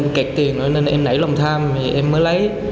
em cạch tiền rồi nên em nảy lòng tham thì em mới lấy